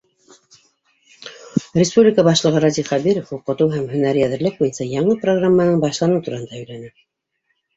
Республика башлығы Радий Хәбиров уҡытыу һәм һөнәри әҙерлек буйынса яңы программаның башланыуы тураһында һөйләне.